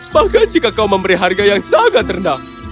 bahkan jika kau memberi harga yang sangat rendah